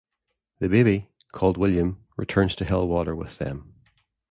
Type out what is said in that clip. The baby, called William, returns to Helwater with them.